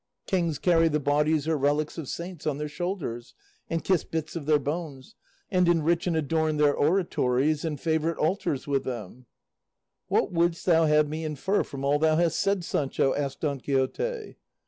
Kings carry the bodies or relics of saints on their shoulders, and kiss bits of their bones, and enrich and adorn their oratories and favourite altars with them." "What wouldst thou have me infer from all thou hast said, Sancho?" asked Don Quixote.